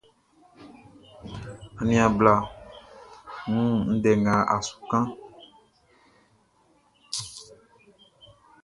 Aniaan bla, n wun ndɛ nga a su kanʼn.